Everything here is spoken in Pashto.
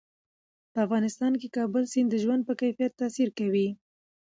په افغانستان کې کابل سیند د ژوند په کیفیت تاثیر کوي.